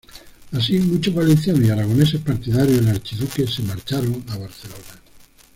Así muchos valencianos y aragoneses partidarios del Archiduque se marcharon a Barcelona.